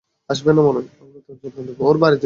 আমরা তার যত্ন নেব।